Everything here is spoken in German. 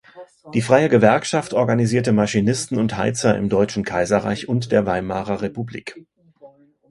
Die freie Gewerkschaft organisierte Maschinisten und Heizer im deutschen Kaiserreich und der Weimarer Republik.